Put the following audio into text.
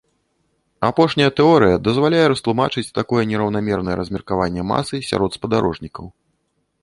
Апошняя тэорыя дазваляе растлумачыць такое нераўнамернае размеркаванне масы сярод спадарожнікаў.